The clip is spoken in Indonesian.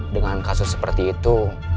dengan kasus seperti itu